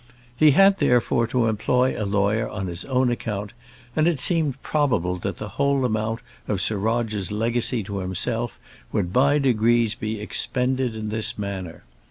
He had, therefore, to employ a lawyer on his own account, and it seemed probable that the whole amount of Sir Roger's legacy to himself would by degrees be expended in this manner.